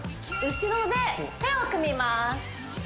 後ろで手を組みます